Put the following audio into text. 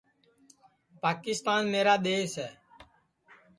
پاکِستان میرا دؔیس ہے